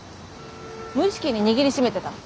無意識に握りしめてたの。